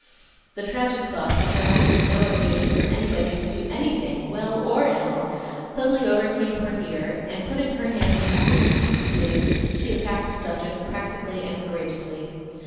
The tragic thought that there might be no occasion for anybody to do anything, well or ill, suddenly overcame her here, and putting her hand on Mr. Simpson's sleeve, she attacked the subject practically and courageously.